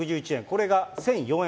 これが１００４円。